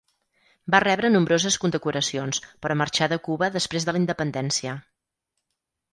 Va rebre nombroses condecoracions però marxà de Cuba després de la independència.